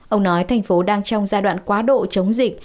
ông nói thành phố đang trong giai đoạn quá độ chống dịch